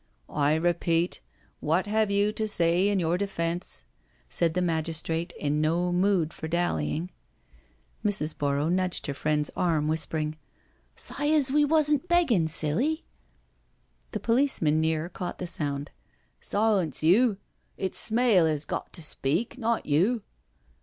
" I repeat, what have you to say in your defence?" said the magistrate in no mood for dallying. Mrs. Borrow nudged her friend's arm, whispering, " Sy as we wasn't begging Silly." The policeman near caught the sound. " Silence you — it's Smale 'as got to speak, not you."